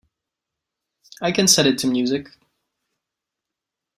I can set it to music.